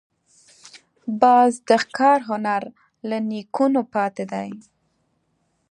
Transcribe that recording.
باز د ښکار هنر له نیکونو پاتې دی